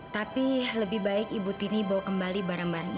tapi lebih baik ibu tini bawa kembali barang barang ini